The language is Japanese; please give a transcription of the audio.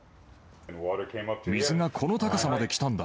水がこの高さまで来たんだ。